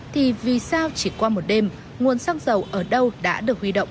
thì vì sao chỉ qua một đêm nguồn xăng dầu ở đâu đã được huy động